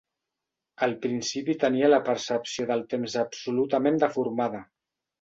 Al principi tenia la percepció del temps absolutament deformada.